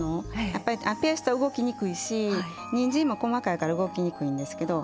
やっぱりペーストは動きにくいしにんじんも細かいから動きにくいんですけど。